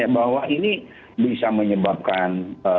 bahwa ini bisa menyebabkan